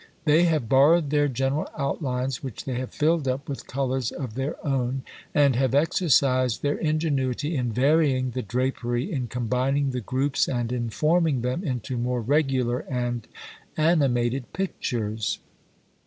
They have borrowed their general outlines, which they have filled up with colours of their own, and have exercised their ingenuity in varying the drapery, in combining the groups, and in forming them into more regular and animated pictures.